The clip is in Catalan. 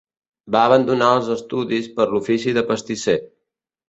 Va abandonar els estudis per l'ofici de pastisser.